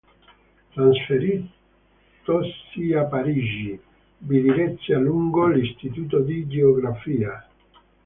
Trasferitosi a Parigi, vi diresse a lungo l'istituto di geografia.